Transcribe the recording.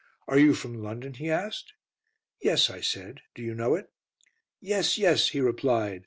"Are you from London?" he asked. "Yes," I said. "Do you know it?" "Yes, yes," he replied.